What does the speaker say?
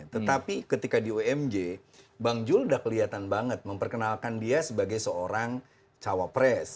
tetapi ketika di umj bang jul sudah kelihatan banget memperkenalkan dia sebagai seorang cawapres